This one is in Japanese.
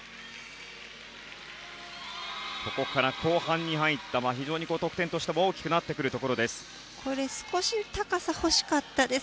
ここから後半に入った非常に得点としても大きくなってくるところです。